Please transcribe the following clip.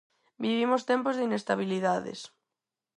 Vivimos tempos de inestabilidades.